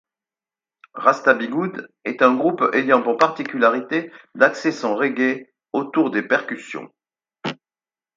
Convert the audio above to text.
Rasta Bigoud est un groupe ayant pour particularité d’axer son reggae autour des percussions.